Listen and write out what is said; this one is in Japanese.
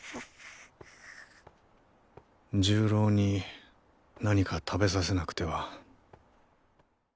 重郎に何か食べさせなくては。